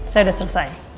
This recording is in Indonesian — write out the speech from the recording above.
saya udah selesai